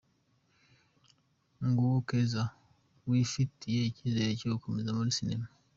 Nguwo Keza wifitiye icyizere gikomeye muri sinema.